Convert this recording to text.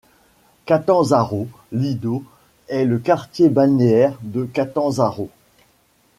Catanzaro Lido est le quartier balnéaire de Catanzaro.